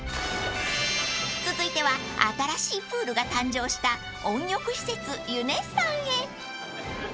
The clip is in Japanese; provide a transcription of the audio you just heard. ［続いては新しいプールが誕生した温浴施設ユネッサンへ］